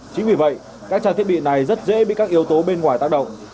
chính vì vậy các trang thiết bị này rất dễ bị các yếu tố bên ngoài tác động